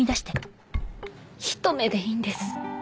ひと目でいいんです